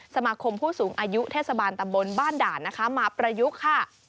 สมาคมผู้สูงอายุเทศบาลตำบลบ้านด่านนะคะมาประยุกต์ค่ะ